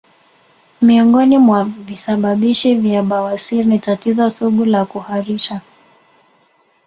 Miongoni mwa visababishi vya bawasir ni tatizo sugu la kuharisha